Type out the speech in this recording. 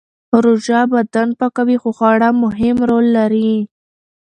روژه بدن پاکوي خو خواړه مهم رول لري.